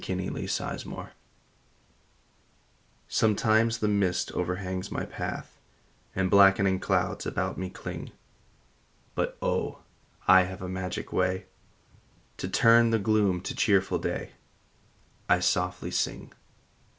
THE GIFT TO SING Sometimes the mist overhangs my path, And blackening clouds about me cling; But oh, I have a magic way To turn the gloom to cheerful day; I softly sing.